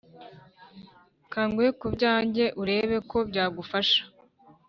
Kanguhe kubyanjye urebe ko byagufasha